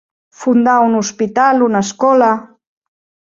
Fundar un hospital, una escola.